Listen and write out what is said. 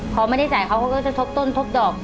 พอไม่ได้จ่ายเขาเขาก็จะทบต้นทบดอก